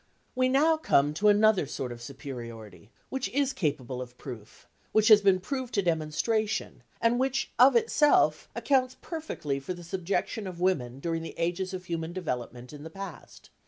We now come to another sort of superiority, which is capable of proof, which has been proved to demonstration and which of itself accounts perfectly for the subjection of women during the ages of human development in the past.